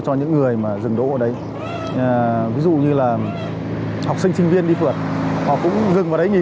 cho những người mà dừng đỗ đấy ví dụ như là học sinh sinh viên đi vượt họ cũng dừng và đến nghỉ